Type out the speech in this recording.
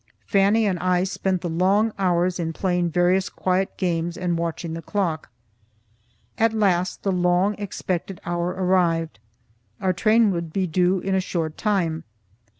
Fannie and I spent the long hours in playing various quiet games and watching the clock. At last the long expected hour arrived; our train would be due in a short time.